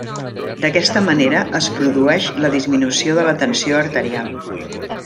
D'aquesta manera es produeix la disminució de la tensió arterial.